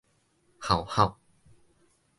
澩澩